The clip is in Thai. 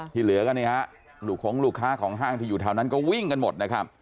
ที่เหลือกันนี่ของลูกค้าของห้างที่อยู่ชั่วนั้นก็วิ่งกันหมด